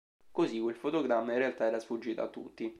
Così, quel fotogramma in realtà era sfuggito a tutti.